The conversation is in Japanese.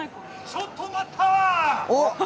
ちょっと待った！